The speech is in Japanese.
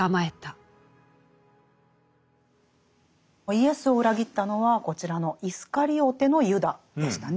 イエスを裏切ったのはこちらのイスカリオテのユダでしたね。